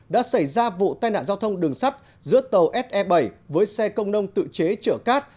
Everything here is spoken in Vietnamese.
đã xảy ra vụ tai nạn giao thông đường sắt giữa tàu se bảy với xe công nông tự chế chở cát